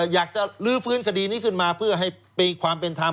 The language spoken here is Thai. ลื้อฟื้นคดีนี้ขึ้นมาเพื่อให้มีความเป็นธรรม